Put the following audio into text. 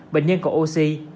bệnh nhân có oxy